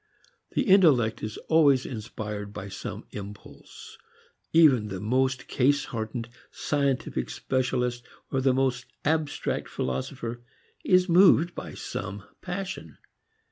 The intellect is always inspired by some impulse. Even the most case hardened scientific specialist, the most abstract philosopher, is moved by some passion.